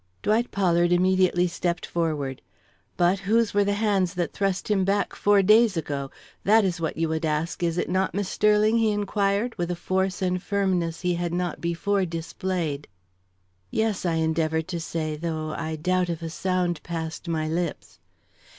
Dwight Pollard immediately stepped forward. "But whose were the hands that thrust him back four days ago? That is what you would ask, is it not, Miss Sterling?" he inquired, with a force and firmness he had not before displayed. "Yes," I endeavored to say, though I doubt if a sound passed my lips.